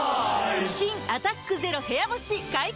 新「アタックＺＥＲＯ部屋干し」解禁‼